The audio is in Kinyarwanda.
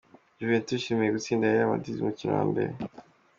Juventus yishimiye gutsinda Real Madrid mu mukino wa mbere.